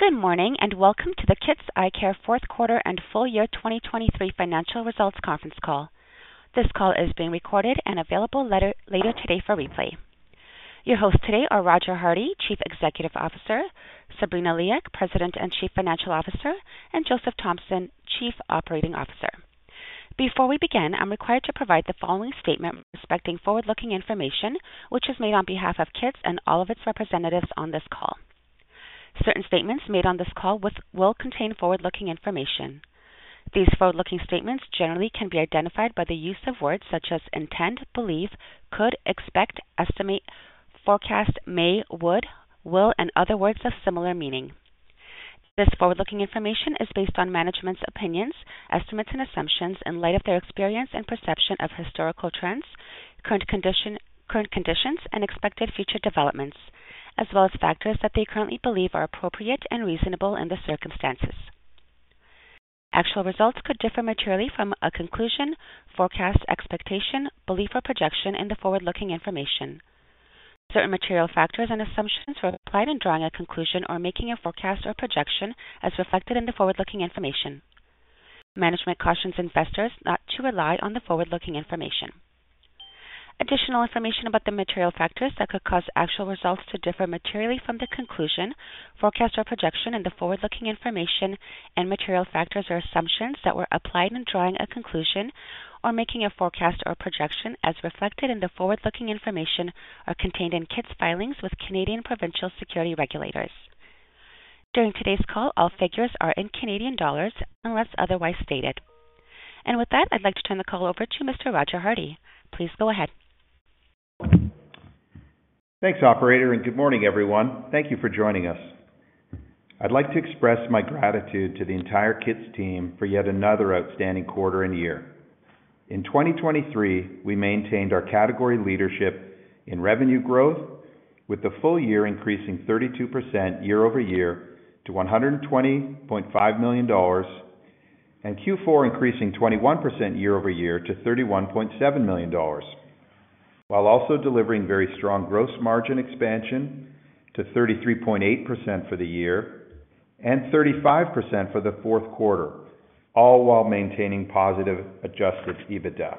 Good morning and welcome to the KITS Eyecare fourth quarter and full year 2023 financial results conference call. This call is being recorded and available later today for replay. Your hosts today are Roger Hardy, Chief Executive Officer, Sabrina Liak, President and Chief Financial Officer, and Joseph Thompson, Chief Operating Officer. Before we begin, I'm required to provide the following statement respecting forward-looking information, which is made on behalf of KITS and all of its representatives on this call. Certain statements made on this call will contain forward-looking information. These forward-looking statements generally can be identified by the use of words such as intend, believe, could, expect, estimate, forecast, may, would, will, and other words of similar meaning. This forward-looking information is based on management's opinions, estimates, and assumptions in light of their experience and perception of historical trends, current conditions, and expected future developments, as well as factors that they currently believe are appropriate and reasonable in the circumstances. Actual results could differ materially from a conclusion, forecast, expectation, belief, or projection in the forward-looking information. Certain material factors and assumptions were applied in drawing a conclusion or making a forecast or projection as reflected in the forward-looking information. Management cautions investors not to rely on the forward-looking information. Additional information about the material factors that could cause actual results to differ materially from the conclusion, forecast, or projection in the forward-looking information and material factors or assumptions that were applied in drawing a conclusion or making a forecast or projection as reflected in the forward-looking information are contained in KITS filings with Canadian provincial security regulators. During today's call, all figures are in Canadian dollars unless otherwise stated. With that, I'd like to turn the call over to Mr. Roger Hardy. Please go ahead. Thanks, Operator, and good morning, everyone. Thank you for joining us. I'd like to express my gratitude to the entire Kits team for yet another outstanding quarter and year. In 2023, we maintained our category leadership in revenue growth, with the full year increasing 32% year-over-year to 120.5 million dollars and Q4 increasing 21% year-over-year to 31.7 million dollars, while also delivering very strong gross margin expansion to 33.8% for the year and 35% for the fourth quarter, all while maintaining positive adjusted EBITDA.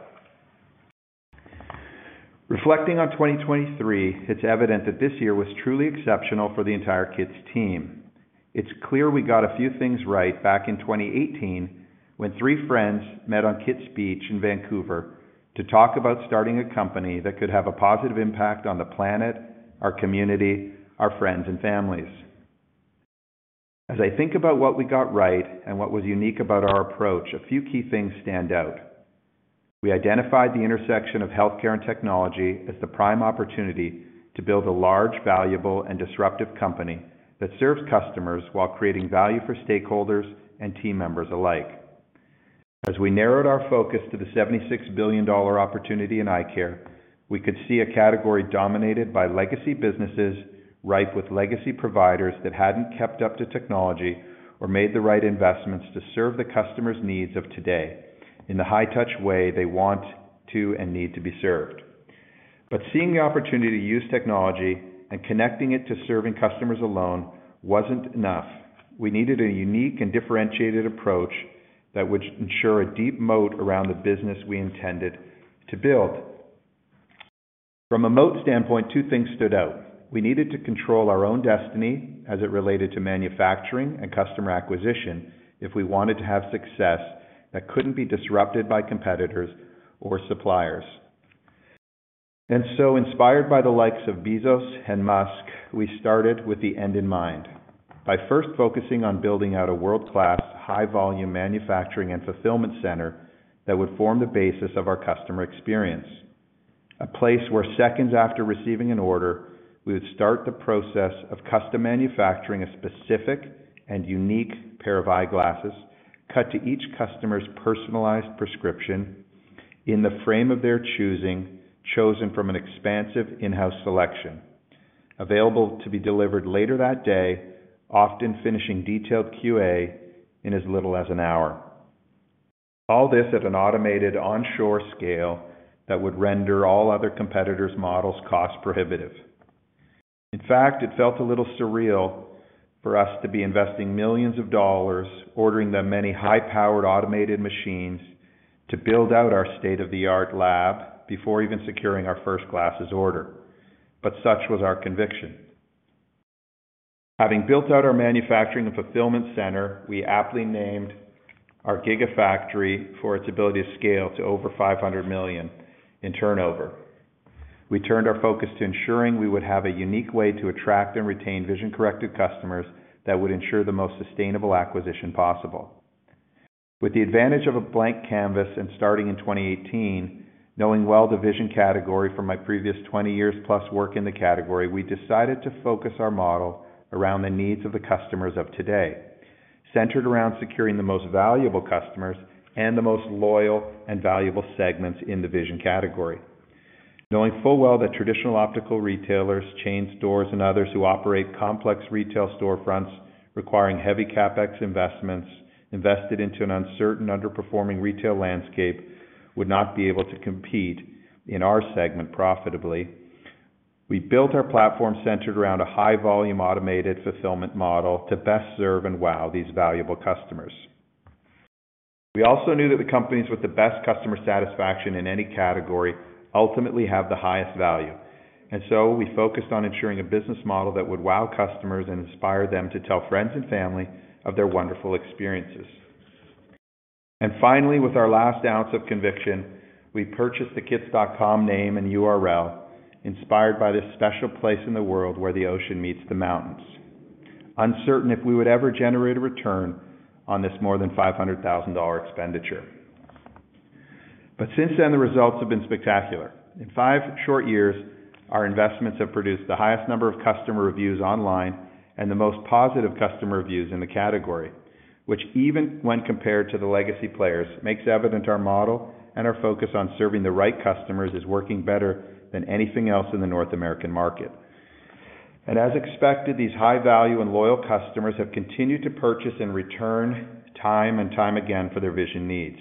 Reflecting on 2023, it's evident that this year was truly exceptional for the entire Kits team. It's clear we got a few things right back in 2018 when three friends met on Kits Beach in Vancouver to talk about starting a company that could have a positive impact on the planet, our community, our friends, and families. As I think about what we got right and what was unique about our approach, a few key things stand out. We identified the intersection of healthcare and technology as the prime opportunity to build a large, valuable, and disruptive company that serves customers while creating value for stakeholders and team members alike. As we narrowed our focus to the $76 billion opportunity in eyecare, we could see a category dominated by legacy businesses ripe with legacy providers that hadn't kept up to technology or made the right investments to serve the customers' needs of today in the high-touch way they want to and need to be served. But seeing the opportunity to use technology and connecting it to serving customers alone wasn't enough. We needed a unique and differentiated approach that would ensure a deep moat around the business we intended to build. From a moat standpoint, two things stood out. We needed to control our own destiny as it related to manufacturing and customer acquisition if we wanted to have success that couldn't be disrupted by competitors or suppliers. And so, inspired by the likes of Bezos and Musk, we started with the end in mind by first focusing on building out a world-class, high-volume manufacturing and fulfillment center that would form the basis of our customer experience, a place where seconds after receiving an order, we would start the process of custom manufacturing a specific and unique pair of eyeglasses cut to each customer's personalized prescription in the frame of their choosing, chosen from an expansive in-house selection, available to be delivered later that day, often finishing detailed QA in as little as an hour. All this at an automated, onshore scale that would render all other competitors' models cost-prohibitive. In fact, it felt a little surreal for us to be investing millions of dollars, ordering the many high-powered automated machines to build out our state-of-the-art lab before even securing our first glasses order. But such was our conviction. Having built out our manufacturing and fulfillment center, we aptly named our Gigafactory for its ability to scale to over 500 million in turnover. We turned our focus to ensuring we would have a unique way to attract and retain vision-corrected customers that would ensure the most sustainable acquisition possible. With the advantage of a blank canvas and starting in 2018, knowing well the vision category from my previous 20 years-plus work in the category, we decided to focus our model around the needs of the customers of today, centered around securing the most valuable customers and the most loyal and valuable segments in the vision category. Knowing full well that traditional optical retailers, chain stores, and others who operate complex retail storefronts requiring heavy CapEx investments invested into an uncertain, underperforming retail landscape would not be able to compete in our segment profitably, we built our platform centered around a high-volume automated fulfillment model to best serve and wow these valuable customers. We also knew that the companies with the best customer satisfaction in any category ultimately have the highest value. So we focused on ensuring a business model that would wow customers and inspire them to tell friends and family of their wonderful experiences. Finally, with our last ounce of conviction, we purchased the kits.com name and URL inspired by this special place in the world where the ocean meets the mountains, uncertain if we would ever generate a return on this more than 500,000 dollar expenditure. But since then, the results have been spectacular. In five short years, our investments have produced the highest number of customer reviews online and the most positive customer reviews in the category, which even when compared to the legacy players makes evident our model and our focus on serving the right customers is working better than anything else in the North American market. And as expected, these high-value and loyal customers have continued to purchase and return time and time again for their vision needs.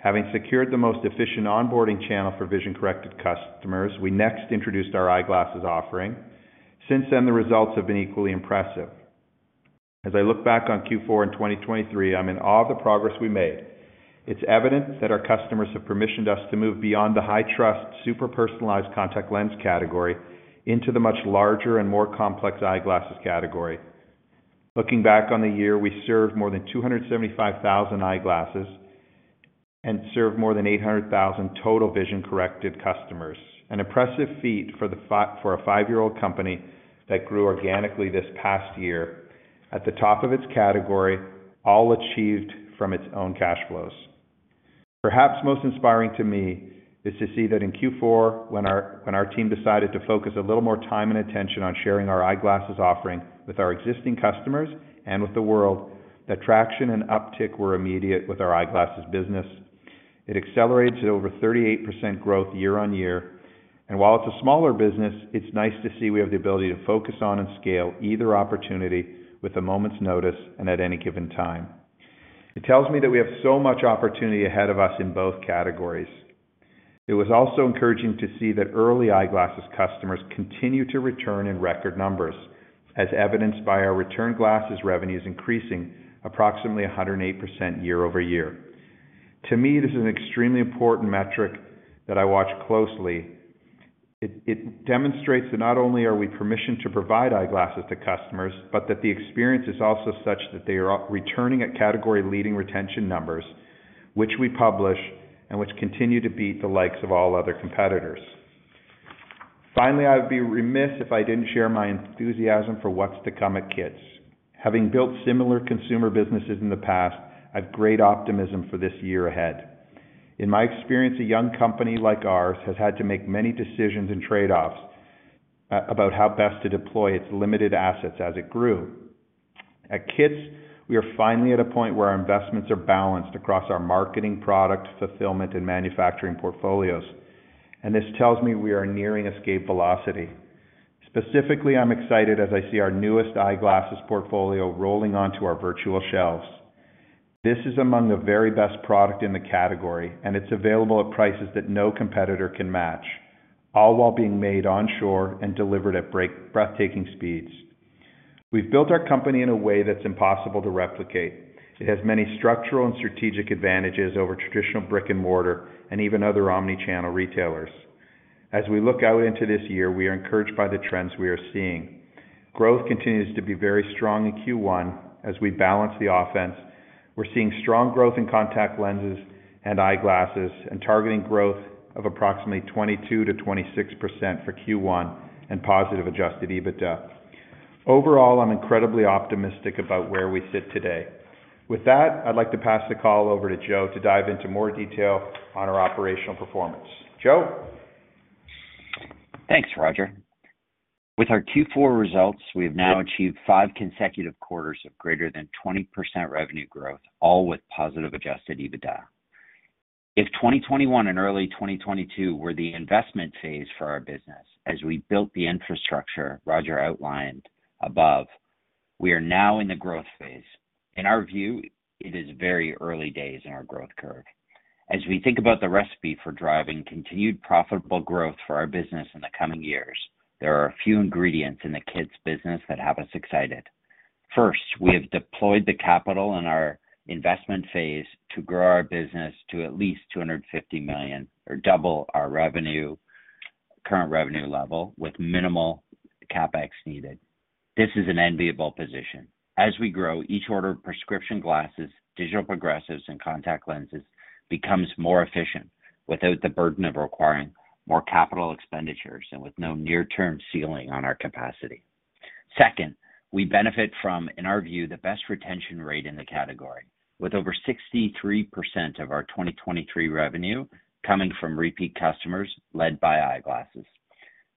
Having secured the most efficient onboarding channel for vision-corrected customers, we next introduced our eyeglasses offering. Since then, the results have been equally impressive. As I look back on Q4 in 2023, I'm in awe of the progress we made. It's evident that our customers have permissioned us to move beyond the high-trust, super-personalized contact lens category into the much larger and more complex eyeglasses category. Looking back on the year, we served more than 275,000 eyeglasses and served more than 800,000 total vision-corrected customers, an impressive feat for a five-year-old company that grew organically this past year at the top of its category, all achieved from its own cash flows. Perhaps most inspiring to me is to see that in Q4, when our team decided to focus a little more time and attention on sharing our eyeglasses offering with our existing customers and with the world, that traction and uptick were immediate with our eyeglasses business. It accelerated to over 38% growth year-on-year. While it's a smaller business, it's nice to see we have the ability to focus on and scale either opportunity with a moment's notice and at any given time. It tells me that we have so much opportunity ahead of us in both categories. It was also encouraging to see that early eyeglasses customers continue to return in record numbers, as evidenced by our return glasses revenues increasing approximately 108% year-over-year. To me, this is an extremely important metric that I watch closely. It demonstrates that not only are we permissioned to provide eyeglasses to customers, but that the experience is also such that they are returning at category-leading retention numbers, which we publish and which continue to beat the likes of all other competitors. Finally, I would be remiss if I didn't share my enthusiasm for what's to come at Kits. Having built similar consumer businesses in the past, I have great optimism for this year ahead. In my experience, a young company like ours has had to make many decisions and trade-offs about how best to deploy its limited assets as it grew. At Kits, we are finally at a point where our investments are balanced across our marketing, product, fulfillment, and manufacturing portfolios. This tells me we are nearing escape velocity. Specifically, I'm excited as I see our newest eyeglasses portfolio rolling onto our virtual shelves. This is among the very best product in the category, and it's available at prices that no competitor can match, all while being made onshore and delivered at breathtaking speeds. We've built our company in a way that's impossible to replicate. It has many structural and strategic advantages over traditional brick-and-mortar and even other omnichannel retailers. As we look out into this year, we are encouraged by the trends we are seeing. Growth continues to be very strong in Q1 as we balance the offense. We're seeing strong growth in contact lenses and eyeglasses and targeting growth of approximately 22%-26% for Q1 and positive adjusted EBITDA. Overall, I'm incredibly optimistic about where we sit today. With that, I'd like to pass the call over to Joe to dive into more detail on our operational performance. Joe? Thanks, Roger. With our Q4 results, we have now achieved five consecutive quarters of greater than 20% revenue growth, all with positive adjusted EBITDA. If 2021 and early 2022 were the investment phase for our business as we built the infrastructure Roger outlined above, we are now in the growth phase. In our view, it is very early days in our growth curve. As we think about the recipe for driving continued profitable growth for our business in the coming years, there are a few ingredients in the Kits business that have us excited. First, we have deployed the capital in our investment phase to grow our business to at least 250 million or double our current revenue level with minimal CapEx needed. This is an enviable position. As we grow, each order of prescription glasses, digital progressives, and contact lenses becomes more efficient without the burden of requiring more capital expenditures and with no near-term ceiling on our capacity. Second, we benefit from, in our view, the best retention rate in the category, with over 63% of our 2023 revenue coming from repeat customers led by eyeglasses.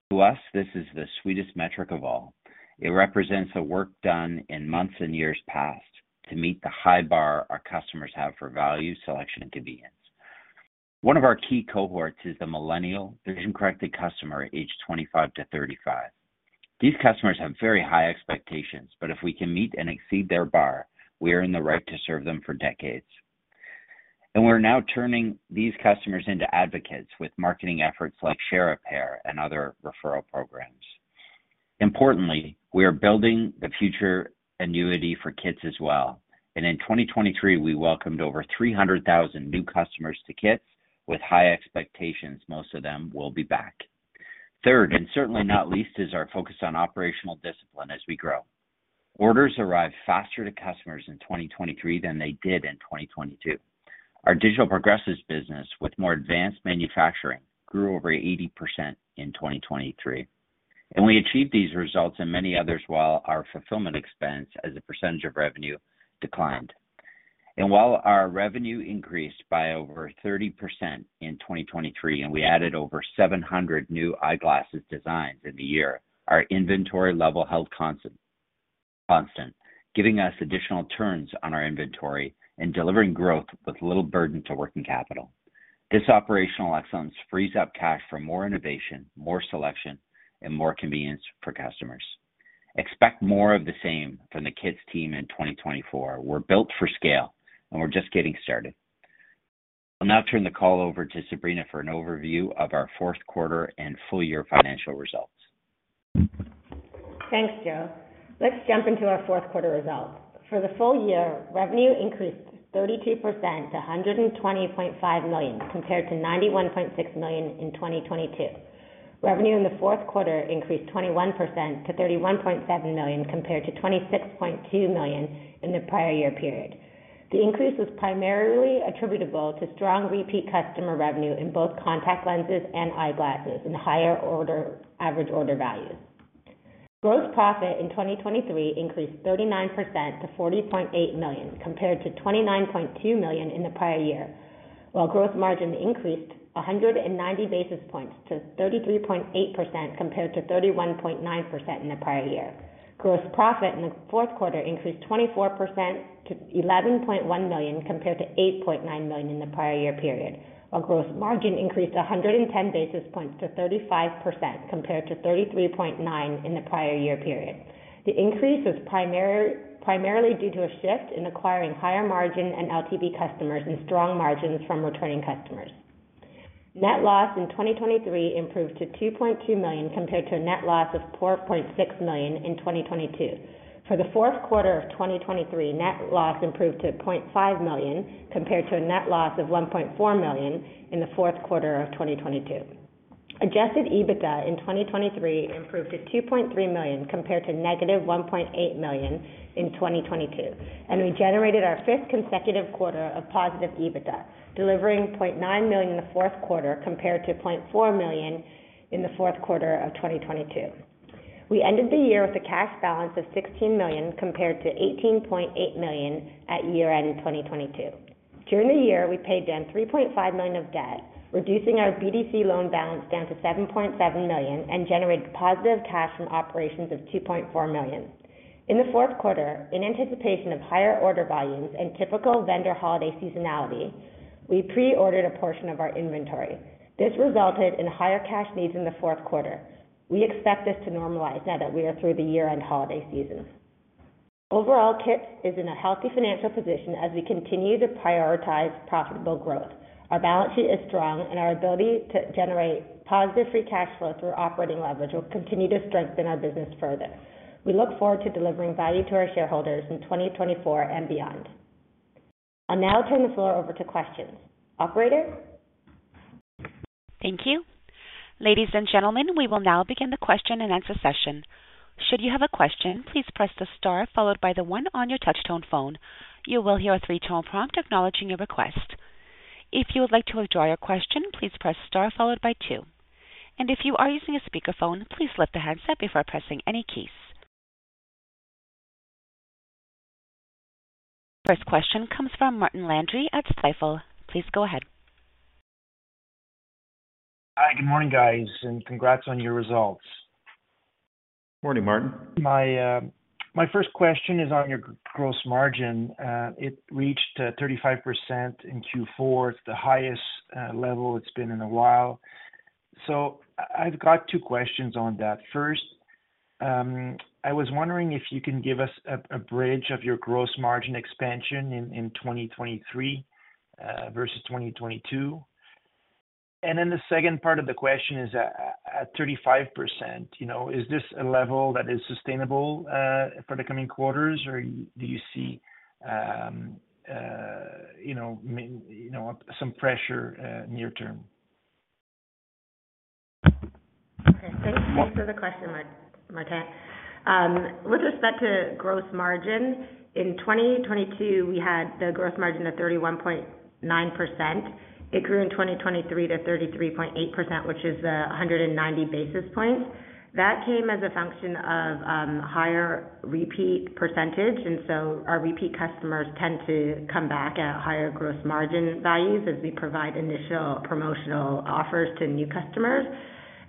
To us, this is the sweetest metric of all. It represents the work done in months and years past to meet the high bar our customers have for value, selection, and convenience. One of our key cohorts is the millennial vision-corrected customer age 25 to 35. These customers have very high expectations, but if we can meet and exceed their bar, we are in the right to serve them for decades. And we're now turning these customers into advocates with marketing efforts like Share a Pair and other referral programs. Importantly, we are building the future annuity for KITS as well. And in 2023, we welcomed over 300,000 new customers to KITS with high expectations. Most of them will be back. Third, and certainly not least, is our focus on operational discipline as we grow. Orders arrive faster to customers in 2023 than they did in 2022. Our digital progressives business, with more advanced manufacturing, grew over 80% in 2023. And we achieved these results and many others while our fulfillment expense as a percentage of revenue declined. And while our revenue increased by over 30% in 2023 and we added over 700 new eyeglasses designs in the year, our inventory level held constant, giving us additional turns on our inventory and delivering growth with little burden to working capital. This operational excellence frees up cash for more innovation, more selection, and more convenience for customers. Expect more of the same from the Kits team in 2024. We're built for scale, and we're just getting started. I'll now turn the call over to Sabrina for an overview of our fourth quarter and full-year financial results. Thanks, Joe. Let's jump into our fourth quarter results. For the full year, revenue increased 32% to 120.5 million compared to 91.6 million in 2022. Revenue in the fourth quarter increased 21% to 31.7 million compared to 26.2 million in the prior year period. The increase was primarily attributable to strong repeat customer revenue in both contact lenses and eyeglasses and higher average order values. Gross profit in 2023 increased 39% to 40.8 million compared to 29.2 million in the prior year, while gross margin increased 190 basis points to 33.8% compared to 31.9% in the prior year. Gross profit in the fourth quarter increased 24% to 11.1 million compared to 8.9 million in the prior year period, while gross margin increased 110 basis points to 35% compared to 33.9% in the prior year period. The increase was primarily due to a shift in acquiring higher margin and LTV customers and strong margins from returning customers. Net loss in 2023 improved to 2.2 million compared to a net loss of 4.6 million in 2022. For the fourth quarter of 2023, net loss improved to 0.5 million compared to a net loss of 1.4 million in the fourth quarter of 2022. Adjusted EBITDA in 2023 improved to 2.3 million compared to -1.8 million in 2022. We generated our fifth consecutive quarter of positive EBITDA, delivering 0.9 million in the fourth quarter compared to 0.4 million in the fourth quarter of 2022. We ended the year with a cash balance of 16 million compared to 18.8 million at year-end 2022. During the year, we paid down 3.5 million of debt, reducing our BDC loan balance down to 7.7 million, and generated positive cash from operations of 2.4 million. In the fourth quarter, in anticipation of higher order volumes and typical vendor holiday seasonality, we pre-ordered a portion of our inventory. This resulted in higher cash needs in the fourth quarter. We expect this to normalize now that we are through the year-end holiday season. Overall, KITS is in a healthy financial position as we continue to prioritize profitable growth. Our balance sheet is strong, and our ability to generate positive free cash flow through operating leverage will continue to strengthen our business further. We look forward to delivering value to our shareholders in 2024 and beyond. I'll now turn the floor over to questions. Operator? Thank you. Ladies and gentlemen, we will now begin the question and answer session. Should you have a question, please press the star followed by the one on your touchtone phone. You will hear a three-tone prompt acknowledging your request. If you would like to withdraw your question, please press star followed by two. And if you are using a speakerphone, please lift the headset before pressing any keys. First question comes from Martin Landry at Stifel. Please go ahead. Hi. Good morning, guys, and congrats on your results. Morning, Martin. My first question is on your gross margin. It reached 35% in Q4. It's the highest level it's been in a while. I've got two questions on that. First, I was wondering if you can give us a bridge of your gross margin expansion in 2023 versus 2022. Then the second part of the question is at 35%, is this a level that is sustainable for the coming quarters, or do you see some pressure near-term? Okay. Thanks for the question, Martin. With respect to gross margin, in 2022, we had the gross margin at 31.9%. It grew in 2023 to 33.8%, which is 190 basis points. That came as a function of higher repeat percentage. And so our repeat customers tend to come back at higher gross margin values as we provide initial promotional offers to new customers.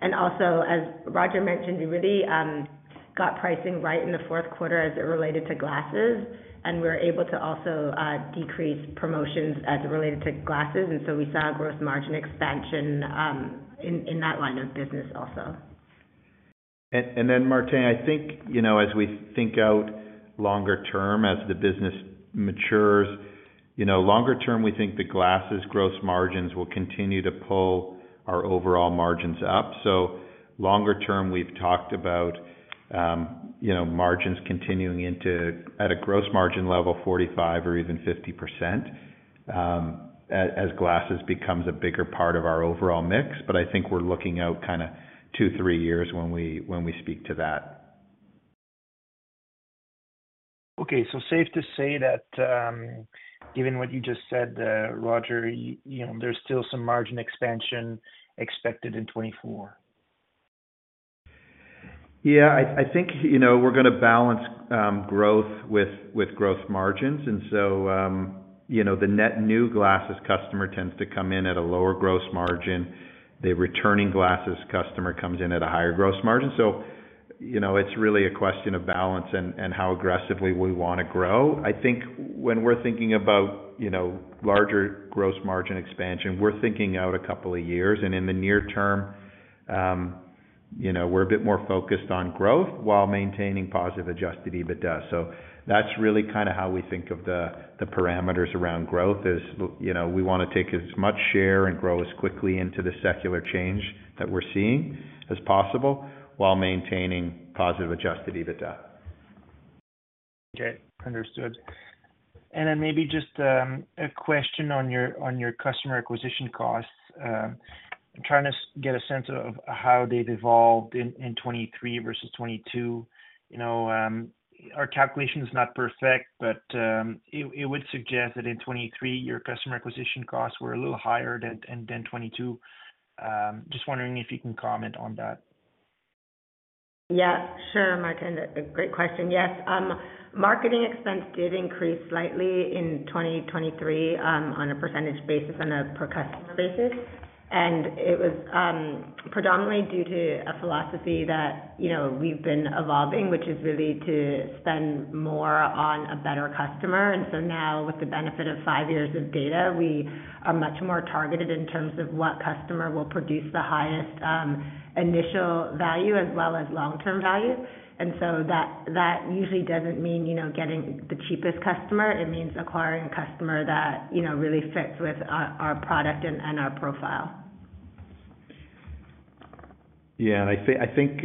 And also, as Roger mentioned, we really got pricing right in the fourth quarter as it related to glasses, and we were able to also decrease promotions as it related to glasses. And so we saw a gross margin expansion in that line of business also. Then, Martin, I think as we think out longer term, as the business matures, longer term, we think the glasses' gross margins will continue to pull our overall margins up. Longer term, we've talked about margins continuing at a gross margin level, 45% or even 50%, as glasses becomes a bigger part of our overall mix. I think we're looking out kind of two, three years when we speak to that. Okay. So safe to say that given what you just said, Roger, there's still some margin expansion expected in 2024? Yeah. I think we're going to balance growth with gross margins. And so the net new glasses customer tends to come in at a lower gross margin. The returning glasses customer comes in at a higher gross margin. So it's really a question of balance and how aggressively we want to grow. I think when we're thinking about larger gross margin expansion, we're thinking out a couple of years. And in the near term, we're a bit more focused on growth while maintaining positive adjusted EBITDA. So that's really kind of how we think of the parameters around growth, is we want to take as much share and grow as quickly into the secular change that we're seeing as possible while maintaining positive adjusted EBITDA. Okay. Understood. And then maybe just a question on your customer acquisition costs. I'm trying to get a sense of how they've evolved in 2023 versus 2022. Our calculation is not perfect, but it would suggest that in 2023, your customer acquisition costs were a little higher than 2022. Just wondering if you can comment on that. Yeah. Sure, Martin. Great question. Yes. Marketing expense did increase slightly in 2023 on a percentage basis on a per-customer basis. And it was predominantly due to a philosophy that we've been evolving, which is really to spend more on a better customer. And so now, with the benefit of five years of data, we are much more targeted in terms of what customer will produce the highest initial value as well as long-term value. And so that usually doesn't mean getting the cheapest customer. It means acquiring a customer that really fits with our product and our profile. Yeah. And I think,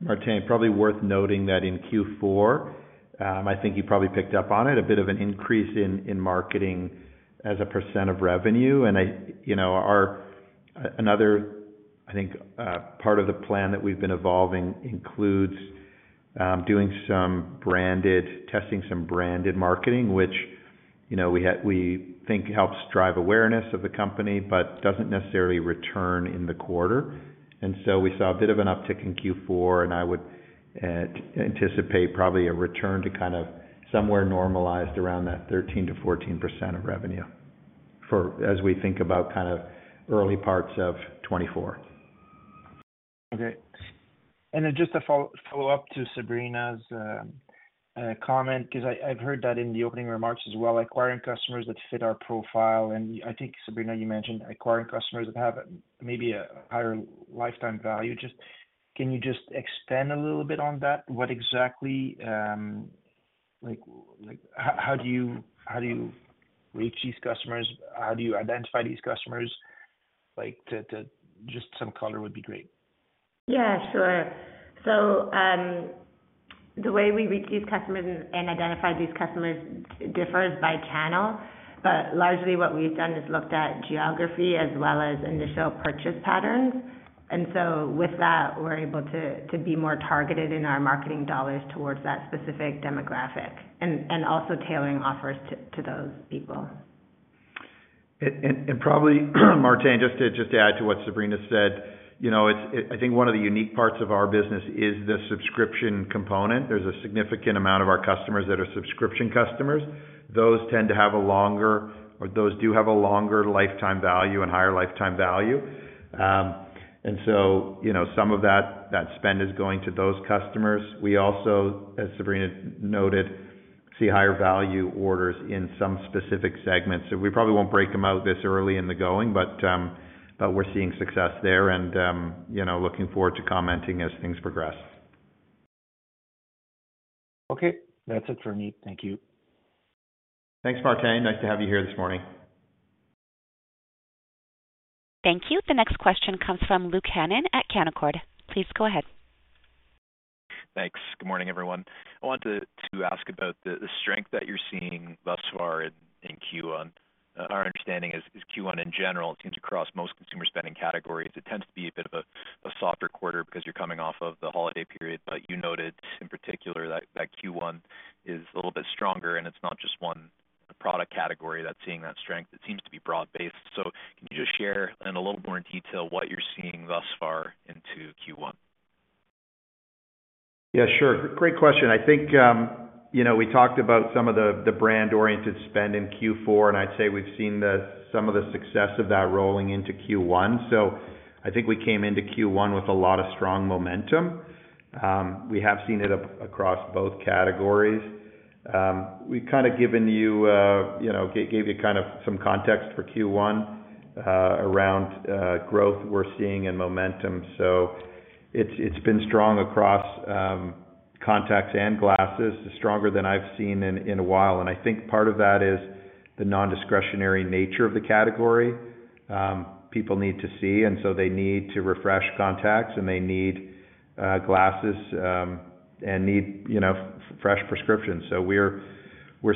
Martin, probably worth noting that in Q4, I think you probably picked up on it, a bit of an increase in marketing as a percent of revenue. And another, I think, part of the plan that we've been evolving includes doing some branded, testing some branded marketing, which we think helps drive awareness of the company but doesn't necessarily return in the quarter. And so we saw a bit of an uptick in Q4, and I would anticipate probably a return to kind of somewhere normalized around that 13%-14% of revenue as we think about kind of early parts of 2024. Okay. And then just to follow up to Sabrina's comment because I've heard that in the opening remarks as well, acquiring customers that fit our profile. And I think, Sabrina, you mentioned acquiring customers that have maybe a higher lifetime value. Can you just expand a little bit on that? How do you reach these customers? How do you identify these customers? Just some color would be great. Yeah. Sure. So the way we reach these customers and identify these customers differs by channel. But largely, what we've done is looked at geography as well as initial purchase patterns. And so with that, we're able to be more targeted in our marketing dollars towards that specific demographic and also tailoring offers to those people. Probably, Martin, just to add to what Sabrina said, I think one of the unique parts of our business is the subscription component. There's a significant amount of our customers that are subscription customers. Those tend to have a longer or those do have a longer lifetime value and higher lifetime value. And so some of that spend is going to those customers. We also, as Sabrina noted, see higher value orders in some specific segments. We probably won't break them out this early in the going, but we're seeing success there and looking forward to commenting as things progress. Okay. That's it for me. Thank you. Thanks, Martin. Nice to have you here this morning. Thank you. The next question comes from Luke Hannan at Canaccord. Please go ahead. Thanks. Good morning, everyone. I wanted to ask about the strength that you're seeing thus far in Q1. Our understanding is Q1, in general, it seems across most consumer spending categories, it tends to be a bit of a softer quarter because you're coming off of the holiday period. But you noted, in particular, that Q1 is a little bit stronger, and it's not just one product category that's seeing that strength. It seems to be broad-based. So can you just share in a little more detail what you're seeing thus far into Q1? Yeah. Sure. Great question. I think we talked about some of the brand-oriented spend in Q4, and I'd say we've seen some of the success of that rolling into Q1. So I think we came into Q1 with a lot of strong momentum. We have seen it across both categories. We've kind of given you kind of some context for Q1 around growth we're seeing and momentum. So it's been strong across contacts and glasses, stronger than I've seen in a while. And I think part of that is the nondiscretionary nature of the category. People need to see, and so they need to refresh contacts, and they need glasses and need fresh prescriptions. So we're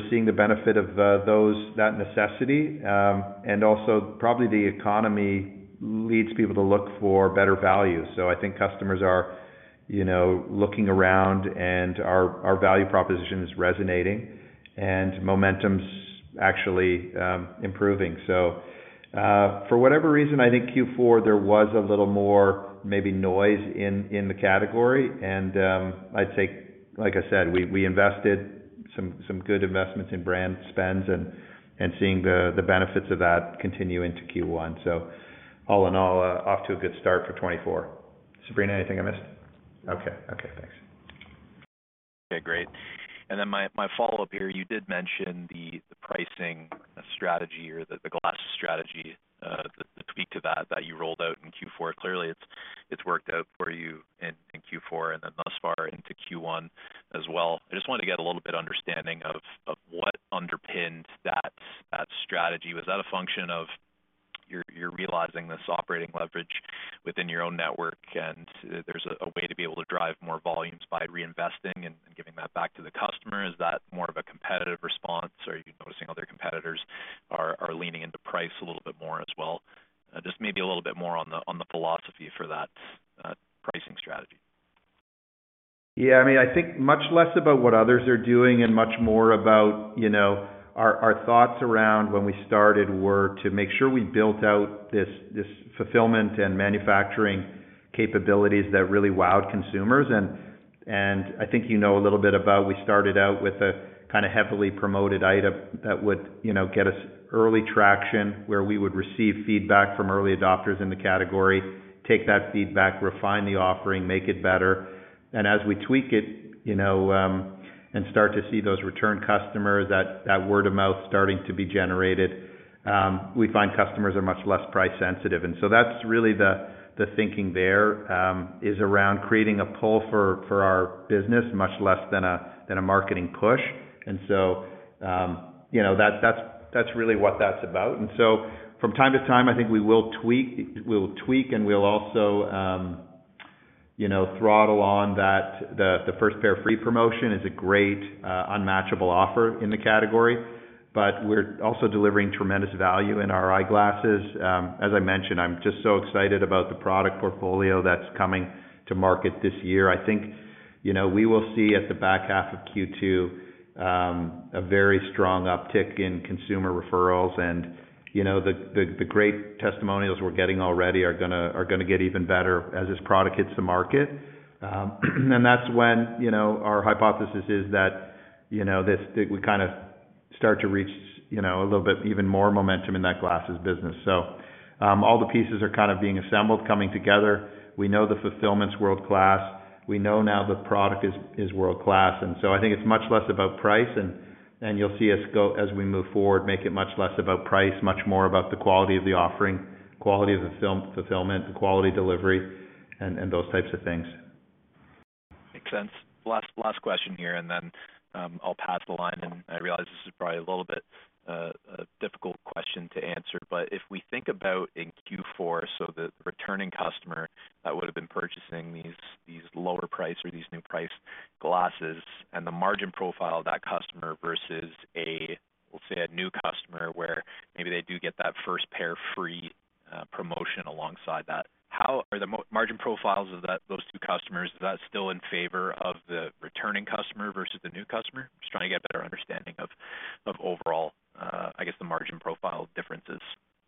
seeing the benefit of that necessity. And also, probably the economy leads people to look for better value. So I think customers are looking around, and our value proposition is resonating and momentum's actually improving. So for whatever reason, I think Q4, there was a little more maybe noise in the category. And I'd say, like I said, we invested some good investments in brand spends and seeing the benefits of that continue into Q1. So all in all, off to a good start for 2024. Sabrina, anything I missed? Okay. Okay. Thanks. Okay. Great. And then my follow-up here, you did mention the pricing strategy or the glasses strategy, the tweak to that, that you rolled out in Q4. Clearly, it's worked out for you in Q4 and then thus far into Q1 as well. I just wanted to get a little bit of understanding of what underpinned that strategy. Was that a function of you're realizing this operating leverage within your own network, and there's a way to be able to drive more volumes by reinvesting and giving that back to the customer? Is that more of a competitive response, or are you noticing other competitors are leaning into price a little bit more as well? Just maybe a little bit more on the philosophy for that pricing strategy. Yeah. I mean, I think much less about what others are doing and much more about our thoughts around when we started were to make sure we built out this fulfillment and manufacturing capabilities that really wowed consumers. And I think you know a little bit about we started out with a kind of heavily promoted item that would get us early traction where we would receive feedback from early adopters in the category, take that feedback, refine the offering, make it better. And as we tweak it and start to see those return customers, that word of mouth starting to be generated, we find customers are much less price-sensitive. And so that's really the thinking there is around creating a pull for our business, much less than a marketing push. And so that's really what that's about. And so from time to time, I think we will tweak, and we'll also throttle on that. The first pair free promotion is a great, unmatchable offer in the category. But we're also delivering tremendous value in our eyeglasses. As I mentioned, I'm just so excited about the product portfolio that's coming to market this year. I think we will see at the back half of Q2 a very strong uptick in consumer referrals. And the great testimonials we're getting already are going to get even better as this product hits the market. And that's when our hypothesis is that we kind of start to reach a little bit even more momentum in that glasses business. So all the pieces are kind of being assembled, coming together. We know the fulfillment's world-class. We know now the product is world-class. And so I think it's much less about price. You'll see us, as we move forward, make it much less about price, much more about the quality of the offering, quality of the fulfillment, the quality delivery, and those types of things. Makes sense. Last question here, and then I'll pass the line. I realize this is probably a little bit a difficult question to answer. If we think about in Q4, so the returning customer that would have been purchasing these lower price or these new price glasses and the margin profile of that customer versus a, let's say, a new customer where maybe they do get that first pair free promotion alongside that, how are the margin profiles of those two customers? Is that still in favor of the returning customer versus the new customer? Just trying to get a better understanding of overall, I guess, the margin profile differences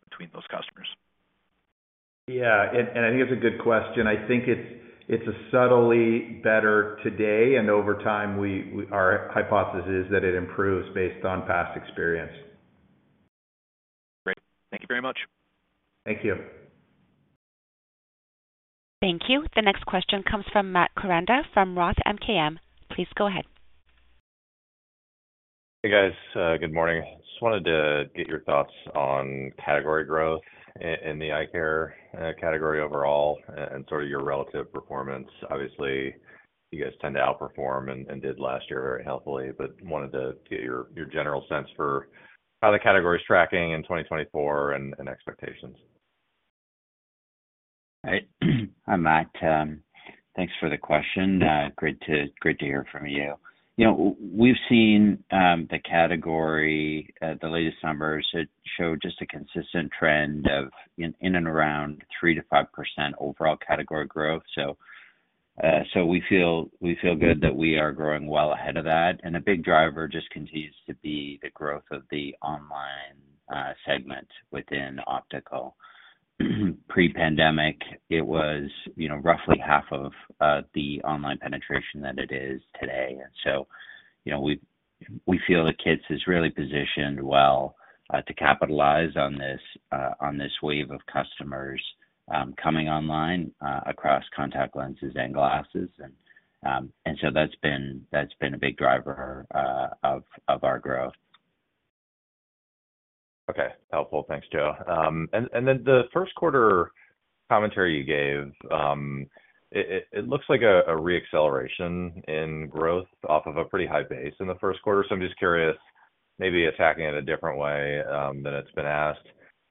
between those customers. Yeah. I think it's a good question. I think it's subtly better today. Over time, our hypothesis is that it improves based on past experience. Great. Thank you very much. Thank you. Thank you. The next question comes from Matt Koranda from Roth MKM. Please go ahead. Hey, guys. Good morning. Just wanted to get your thoughts on category growth in the eyecare category overall and sort of your relative performance. Obviously, you guys tend to outperform and did last year very healthily. But wanted to get your general sense for how the category's tracking in 2024 and expectations. Hi. I'm Matt. Thanks for the question. Great to hear from you. We've seen the category, the latest numbers show just a consistent trend of in and around 3%-5% overall category growth. So we feel good that we are growing well ahead of that. And a big driver just continues to be the growth of the online segment within optical. Pre-pandemic, it was roughly half of the online penetration that it is today. And so we feel that Kits is really positioned well to capitalize on this wave of customers coming online across contact lenses and glasses. And so that's been a big driver of our growth. Okay. Helpful. Thanks, Joe. And then the first-quarter commentary you gave, it looks like a reacceleration in growth off of a pretty high base in the first quarter. So I'm just curious, maybe attacking it a different way than it's been asked,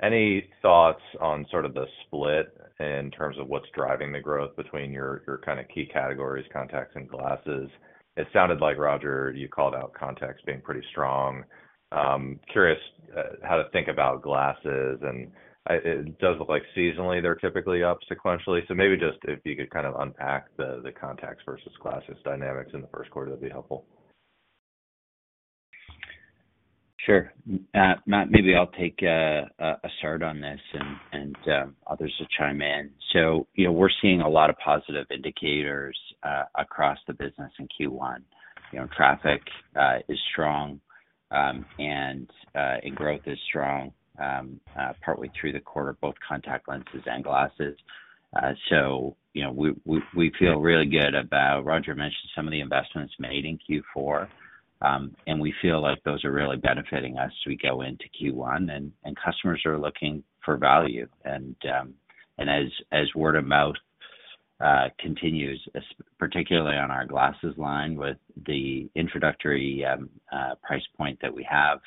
any thoughts on sort of the split in terms of what's driving the growth between your kind of key categories, contacts, and glasses? It sounded like, Roger, you called out contacts being pretty strong. Curious how to think about glasses. And it does look like seasonally, they're typically up sequentially. So maybe just if you could kind of unpack the contacts versus glasses dynamics in the first quarter, that'd be helpful. Sure. Matt, maybe I'll take a start on this, and others will chime in. So we're seeing a lot of positive indicators across the business in Q1. Traffic is strong, and growth is strong partway through the quarter, both contact lenses and glasses. So we feel really good about Roger mentioned some of the investments made in Q4, and we feel like those are really benefiting us as we go into Q1. And customers are looking for value. And as word of mouth continues, particularly on our glasses line with the introductory price point that we have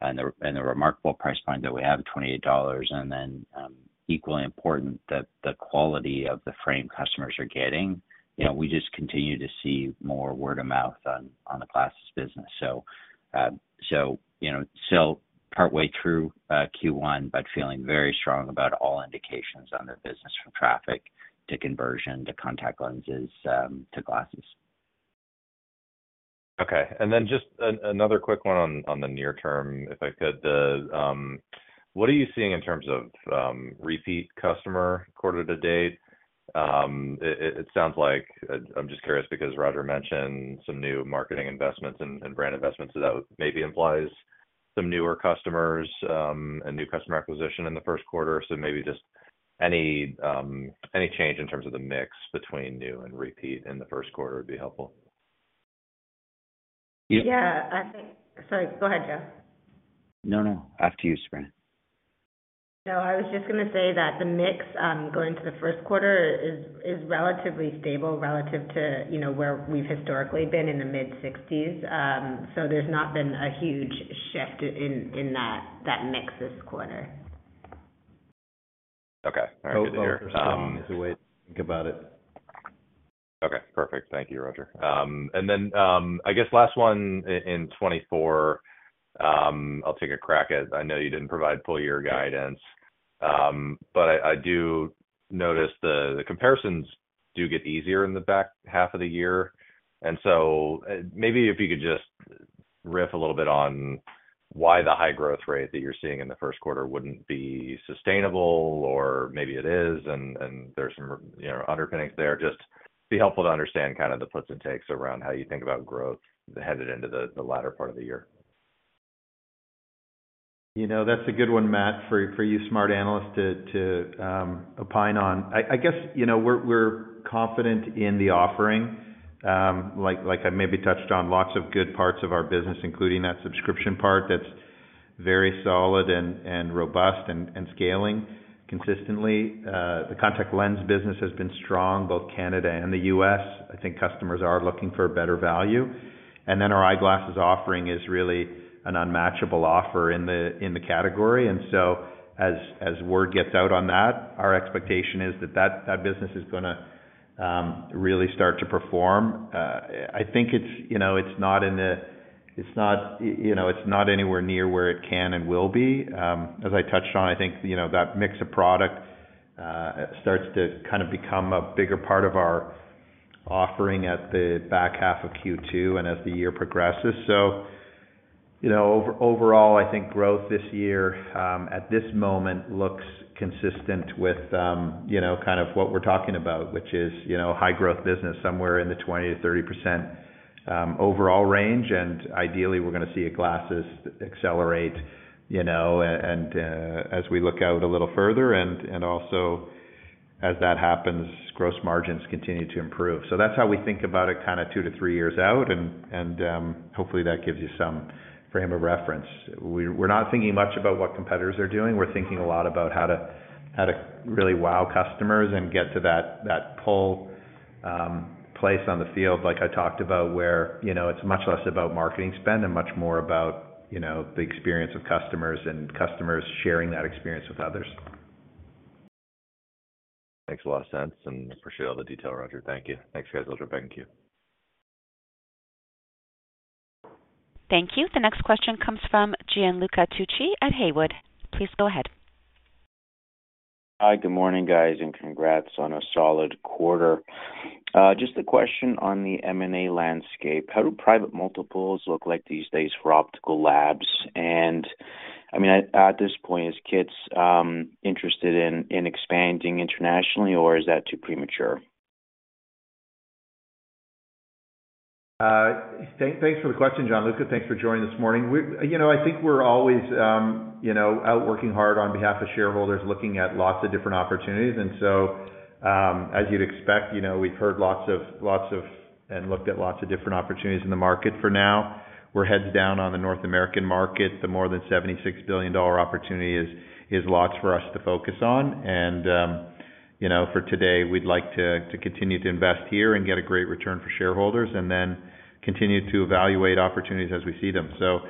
and the remarkable price point that we have, 28 dollars, and then equally important, the quality of the frame customers are getting, we just continue to see more word of mouth on the glasses business. Still partway through Q1, but feeling very strong about all indications on the business from traffic to conversion to contact lenses to glasses. Okay. And then just another quick one on the near term, if I could. What are you seeing in terms of repeat customer quarter to date? It sounds like I'm just curious because Roger mentioned some new marketing investments and brand investments. So that maybe implies some newer customers and new customer acquisition in the first quarter. So maybe just any change in terms of the mix between new and repeat in the first quarter would be helpful. Yeah. Sorry. Go ahead, Joe. No, no. After you, Sabrina. No, I was just going to say that the mix going into the first quarter is relatively stable relative to where we've historically been in the mid-60s. So there's not been a huge shift in that mix this quarter. Okay. All right. Good to hear. It's a way to think about it. Okay. Perfect. Thank you, Roger. And then I guess last one in 2024, I'll take a crack at. I know you didn't provide full-year guidance, but I do notice the comparisons do get easier in the back half of the year. And so maybe if you could just riff a little bit on why the high growth rate that you're seeing in the first quarter wouldn't be sustainable, or maybe it is, and there's some underpinnings there, just be helpful to understand kind of the puts and takes around how you think about growth headed into the latter part of the year. That's a good one, Matt, for you, smart analyst, to opine on. I guess we're confident in the offering. Like I maybe touched on, lots of good parts of our business, including that subscription part that's very solid and robust and scaling consistently. The contact lens business has been strong, both Canada and the U.S. I think customers are looking for better value. And then our eyeglasses offering is really an unmatchable offer in the category. And so as word gets out on that, our expectation is that that business is going to really start to perform. I think it's not anywhere near where it can and will be. As I touched on, I think that mix of product starts to kind of become a bigger part of our offering at the back half of Q2 and as the year progresses. So overall, I think growth this year at this moment looks consistent with kind of what we're talking about, which is high-growth business, somewhere in the 20%-30% overall range. And ideally, we're going to see glasses accelerate as we look out a little further and also as that happens, gross margins continue to improve. So that's how we think about it kind of two-three years out. And hopefully, that gives you some frame of reference. We're not thinking much about what competitors are doing. We're thinking a lot about how to really wow customers and get to that pull place on the field, like I talked about, where it's much less about marketing spend and much more about the experience of customers and customers sharing that experience with others. Makes a lot of sense. And appreciate all the detail, Roger. Thank you. Thanks, guys. I'll jump back and queue you. Thank you. The next question comes from Gianluca Tucci at Haywood. Please go ahead. Hi. Good morning, guys, and congrats on a solid quarter. Just a question on the M&A landscape. How do private multiples look like these days for optical labs? And I mean, at this point, is KITS interested in expanding internationally, or is that too premature? Thanks for the question, Gianluca. Thanks for joining this morning. I think we're always out working hard on behalf of shareholders, looking at lots of different opportunities. And so as you'd expect, we've heard lots of and looked at lots of different opportunities in the market for now. We're heads down on the North American market. The more than $76 billion opportunity is lots for us to focus on. And for today, we'd like to continue to invest here and get a great return for shareholders and then continue to evaluate opportunities as we see them. So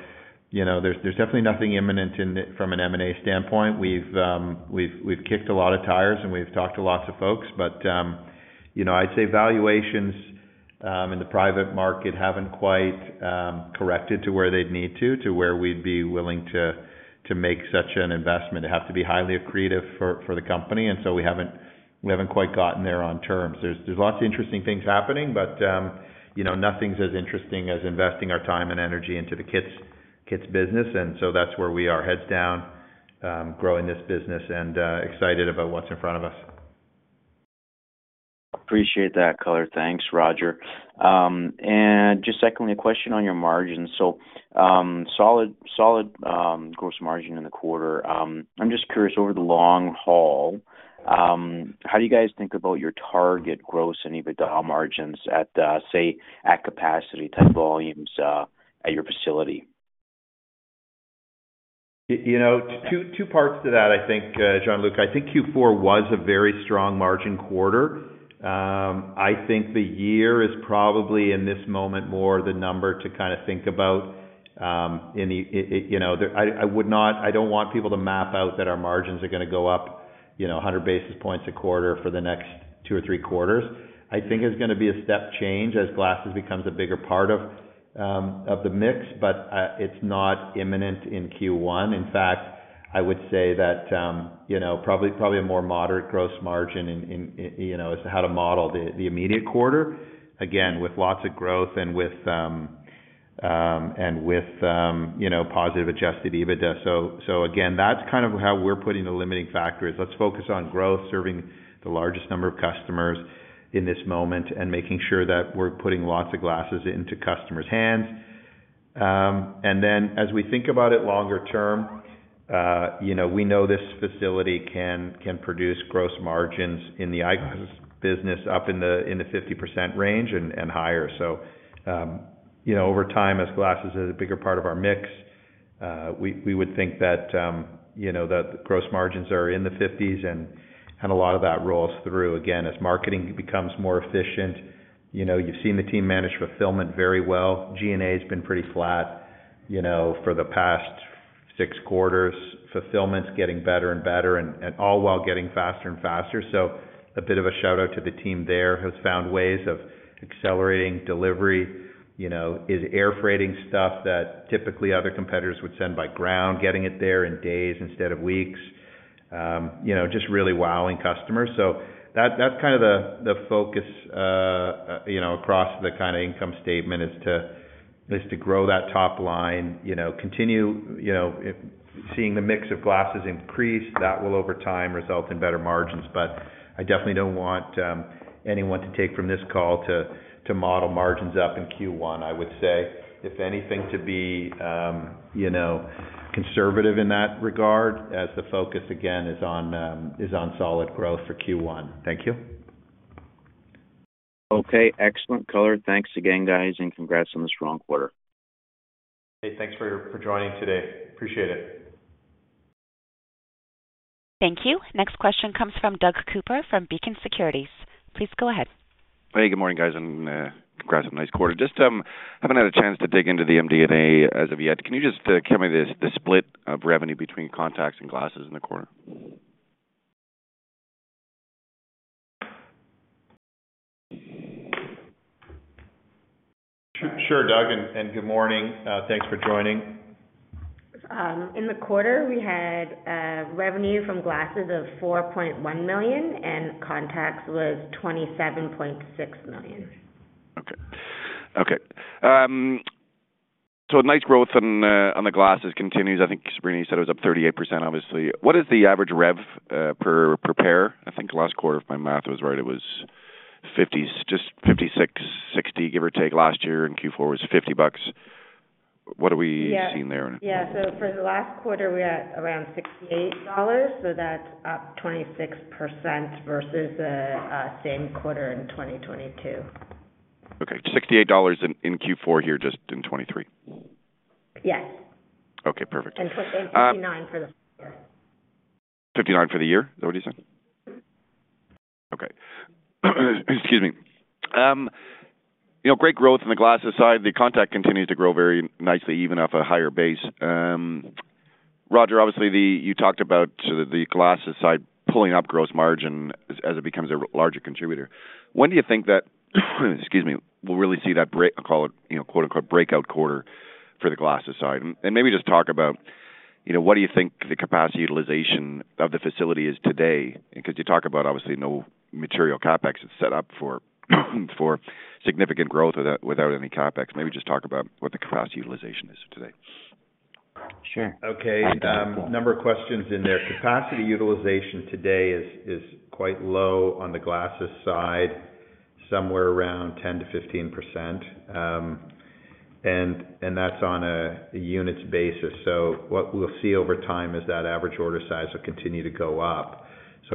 there's definitely nothing imminent from an M&A standpoint. We've kicked a lot of tires, and we've talked to lots of folks. But I'd say valuations in the private market haven't quite corrected to where they'd need to, to where we'd be willing to make such an investment. It'd have to be highly accretive for the company. And so we haven't quite gotten there on terms. There's lots of interesting things happening, but nothing's as interesting as investing our time and energy into the Kits business. And so that's where we are, heads down, growing this business, and excited about what's in front of us. Appreciate that color. Thanks, Roger. Just secondly, a question on your margins. Solid gross margin in the quarter. I'm just curious, over the long haul, how do you guys think about your target gross and even dollar margins at, say, at-capacity type volumes at your facility? Two parts to that, I think, Gianluca. I think Q4 was a very strong margin quarter. I think the year is probably, in this moment, more the number to kind of think about in the I don't want people to map out that our margins are going to go up 100 basis points a quarter for the next two or three quarters. I think it's going to be a step change as glasses becomes a bigger part of the mix, but it's not imminent in Q1. In fact, I would say that probably a more moderate gross margin as to how to model the immediate quarter, again, with lots of growth and with positive adjusted EBITDA. So again, that's kind of how we're putting the limiting factor is. Let's focus on growth, serving the largest number of customers in this moment, and making sure that we're putting lots of glasses into customers' hands. And then as we think about it longer term, we know this facility can produce gross margins in the eyeglasses business up in the 50% range and higher. So over time, as glasses is a bigger part of our mix, we would think that the gross margins are in the 50s, and a lot of that rolls through. Again, as marketing becomes more efficient, you've seen the team manage fulfillment very well. G&A has been pretty flat for the past six quarters, fulfillments getting better and better, and all while getting faster and faster. So a bit of a shout-out to the team there who's found ways of accelerating delivery, is air freighting stuff that typically other competitors would send by ground, getting it there in days instead of weeks, just really wowing customers. So that's kind of the focus across the kind of income statement, is to grow that top line, continue seeing the mix of glasses increase. That will, over time, result in better margins. But I definitely don't want anyone to take from this call to model margins up in Q1, I would say, if anything, to be conservative in that regard as the focus, again, is on solid growth for Q1. Thank you. Okay. Excellent color. Thanks again, guys, and congrats on this strong quarter. Hey, thanks for joining today. Appreciate it. Thank you. Next question comes from Doug Cooper from Beacon Securities. Please go ahead. Hey, good morning, guys, and congrats on a nice quarter. Just haven't had a chance to dig into the MD&A as of yet. Can you just tell me the split of revenue between contacts and glasses in the quarter? Sure, Doug. Good morning. Thanks for joining. In the quarter, we had revenue from glasses of 4.1 million, and contacts was 27.6 million. Okay. Okay. So nice growth on the glasses continues. I think Sabrina you said it was up 38%, obviously. What is the average revenue per pair? I think last quarter, if my math was right, it was $50s, just $56, $60, give or take, last year, and Q4 was $50. What have we seen there? Yeah. For the last quarter, we're at around 68 dollars. That's up 26% versus the same quarter in 2022. Okay. 68 dollars in Q4 here just in 2023? Yes. Okay. Perfect. 59 for the year. 59 for the year? Is that what you said? Okay. Excuse me. Great growth on the glasses side. The contact continues to grow very nicely, even off a higher base. Roger, obviously, you talked about the glasses side pulling up gross margin as it becomes a larger contributor. When do you think that, excuse me, we'll really see that, I'll call it, "breakout quarter" for the glasses side? And maybe just talk about what do you think the capacity utilization of the facility is today? Because you talk about, obviously, no material CapEx. It's set up for significant growth without any CapEx. Maybe just talk about what the capacity utilization is today. Sure. Okay. Number of questions in there. Capacity utilization today is quite low on the glasses side, somewhere around 10%-15%. That's on a units basis. What we'll see over time is that average order size will continue to go up.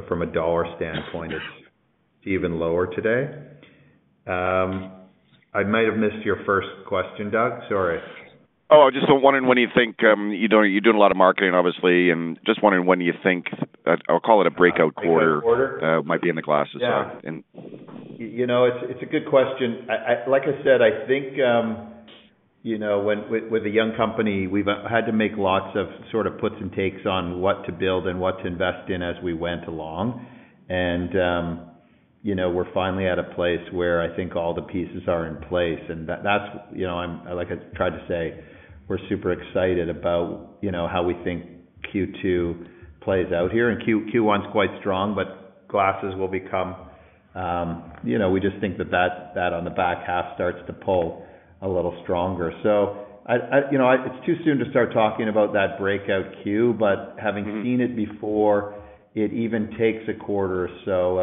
From a dollar standpoint, it's even lower today. I might have missed your first question, Doug. Sorry. Oh, I was just wondering when you think you're doing a lot of marketing, obviously, and just wondering when you think I'll call it a breakout quarter. Breakout quarter? Might be on the glasses side. Yeah. It's a good question. Like I said, I think with a young company, we've had to make lots of sort of puts and takes on what to build and what to invest in as we went along. And we're finally at a place where I think all the pieces are in place. And that's like I tried to say, we're super excited about how we think Q2 plays out here. And Q1's quite strong, but glasses will become we just think that that on the back half starts to pull a little stronger. So it's too soon to start talking about that breakout queue, but having seen it before, it even takes a quarter or so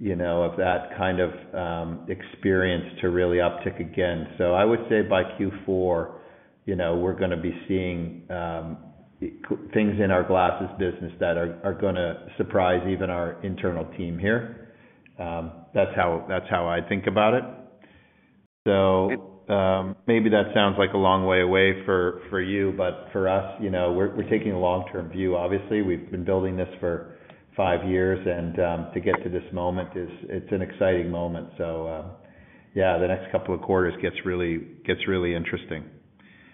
of that kind of experience to really uptick again. So I would say by Q4, we're going to be seeing things in our glasses business that are going to surprise even our internal team here. That's how I think about it. So maybe that sounds like a long way away for you, but for us, we're taking a long-term view, obviously. We've been building this for five years, and to get to this moment, it's an exciting moment. So yeah, the next couple of quarters gets really interesting.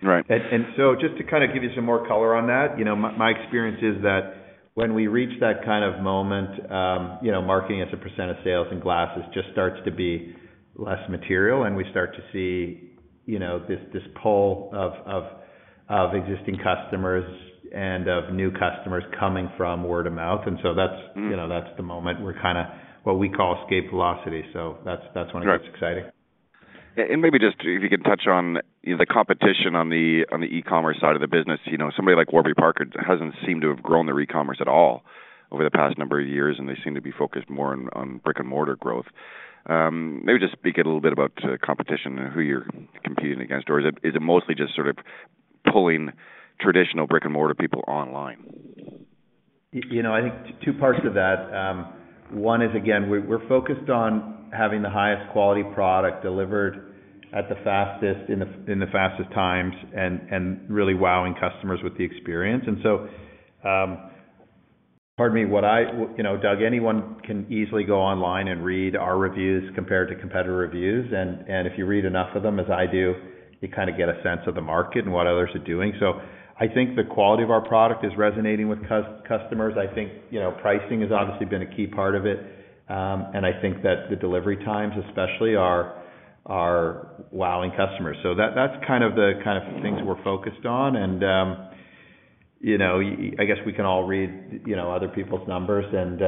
And so just to kind of give you some more color on that, my experience is that when we reach that kind of moment, marketing as a % of sales in glasses just starts to be less material, and we start to see this pull of existing customers and of new customers coming from word of mouth. And so that's the moment we're kind of what we call escape velocity. That's when it gets exciting. Maybe just if you can touch on the competition on the e-commerce side of the business, somebody like Warby Parker hasn't seemed to have grown their e-commerce at all over the past number of years, and they seem to be focused more on brick-and-mortar growth. Maybe just speak a little bit about competition and who you're competing against. Or is it mostly just sort of pulling traditional brick-and-mortar people online? I think two parts to that. One is, again, we're focused on having the highest quality product delivered at the fastest in the fastest times and really wowing customers with the experience. And so pardon me, Doug, anyone can easily go online and read our reviews compared to competitor reviews. And if you read enough of them as I do, you kind of get a sense of the market and what others are doing. So I think the quality of our product is resonating with customers. I think pricing has obviously been a key part of it. And I think that the delivery times, especially, are wowing customers. So that's kind of the kind of things we're focused on. And I guess we can all read other people's numbers and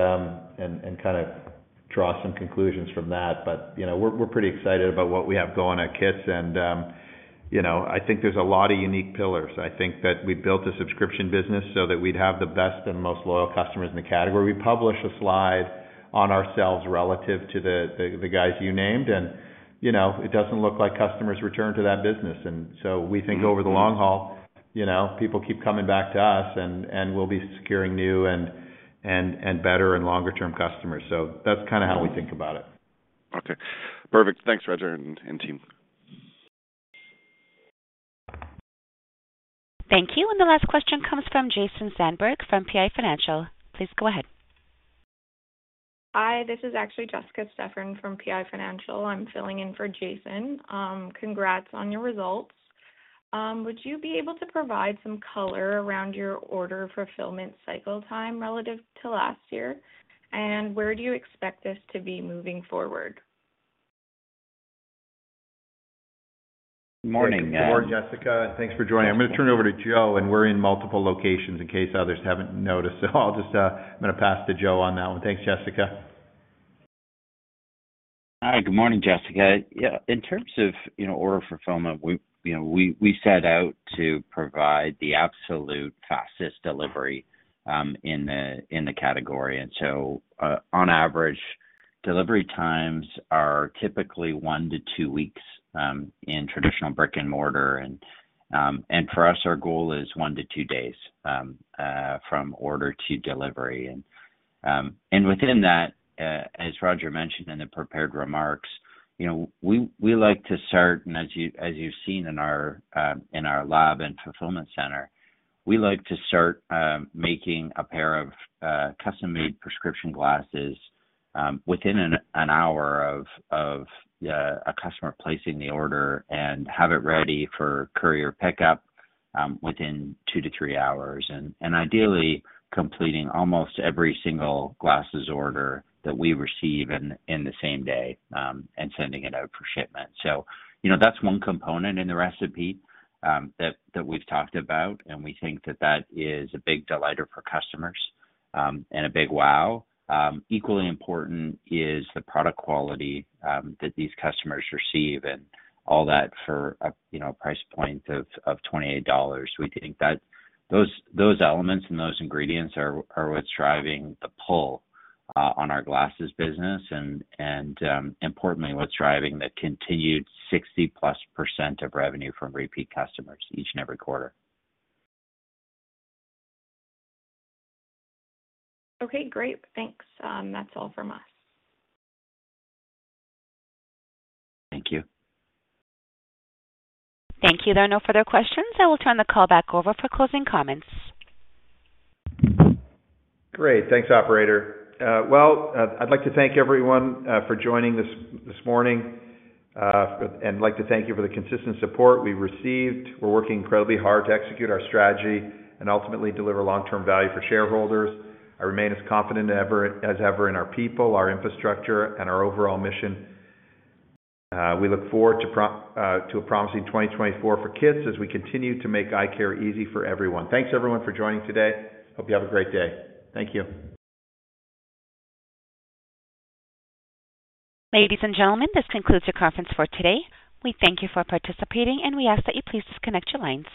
kind of draw some conclusions from that. But we're pretty excited about what we have going at Kits. I think there's a lot of unique pillars. I think that we built a subscription business so that we'd have the best and most loyal customers in the category. We publish a slide on ourselves relative to the guys you named, and it doesn't look like customers return to that business. We think over the long haul, people keep coming back to us, and we'll be securing new and better and longer-term customers. That's kind of how we think about it. Okay. Perfect. Thanks, Roger and team. Thank you. The last question comes from Jason Zandberg from PI Financial. Please go ahead. Hi. This is actually Jessica Steffern from PI Financial. I'm filling in for Jason. Congrats on your results. Would you be able to provide some color around your order fulfillment cycle time relative to last year? And where do you expect this to be moving forward? Morning. Good morning, Jessica. Thanks for joining. I'm going to turn it over to Joe, and we're in multiple locations in case others haven't noticed. I'm going to pass to Joe on that one. Thanks, Jessica. Hi. Good morning, Jessica. In terms of order fulfillment, we set out to provide the absolute fastest delivery in the category. And so on average, delivery times are typically one-two weeks in traditional brick-and-mortar. And for us, our goal is one-two days from order to delivery. And within that, as Roger mentioned in the prepared remarks, we like to start and as you've seen in our lab and fulfillment center, we like to start making a pair of custom-made prescription glasses within 1 hour of a customer placing the order and have it ready for courier pickup within two-three hours, and ideally completing almost every single glasses order that we receive in the same day and sending it out for shipment. So that's one component in the recipe that we've talked about, and we think that that is a big delight for customers and a big wow. Equally important is the product quality that these customers receive and all that for a price point of $28. We think that those elements and those ingredients are what's driving the pull on our glasses business and, importantly, what's driving the continued 60%+ of revenue from repeat customers each and every quarter. Okay. Great. Thanks. That's all from us. Thank you. Thank you. There are no further questions. I will turn the call back over for closing comments. Great. Thanks, operator. Well, I'd like to thank everyone for joining this morning and like to thank you for the consistent support we've received. We're working incredibly hard to execute our strategy and ultimately deliver long-term value for shareholders. I remain as confident as ever in our people, our infrastructure, and our overall mission. We look forward to a promising 2024 for Kits as we continue to make eye care easy for everyone. Thanks, everyone, for joining today. Hope you have a great day. Thank you. Ladies and gentlemen, this concludes our conference for today. We thank you for participating, and we ask that you please disconnect your lines.